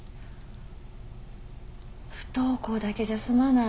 不登校だけじゃ済まない。